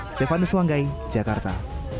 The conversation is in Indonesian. stefanus wanggai jakarta